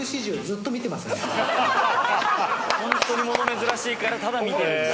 ホントに物珍しいからただ見てるんだ。